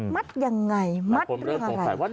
มัดยังไงมัดหรืออะไร